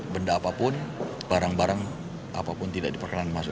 benda apapun barang barang apapun tidak diperkenankan masuk